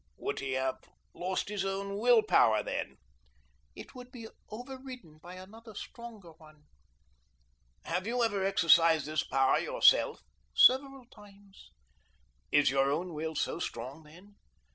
"Would he have lost his own will power, then?" "It would be over ridden by another stronger one." "Have you ever exercised this power yourself?" "Several times." "Is your own will so strong, then?"